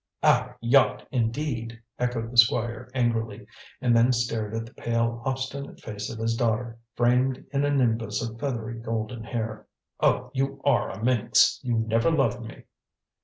"Our yacht, indeed!" echoed the Squire angrily, and then stared at the pale obstinate face of his daughter, framed in a nimbus of feathery golden hair. "Oh you are a minx! You never loved me!"